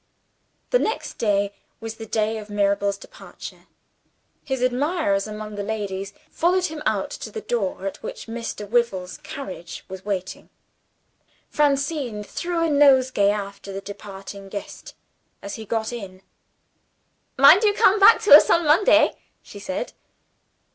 The next day was the day of Mirabel's departure. His admirers among the ladies followed him out to the door, at which Mr. Wyvil's carriage was waiting. Francine threw a nosegay after the departing guest as he got in. "Mind you come back to us on Monday!" she said.